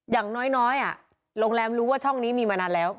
อย่างน้อยโรงแรมรู้ว่าช่องนี้มีมานานแล้ว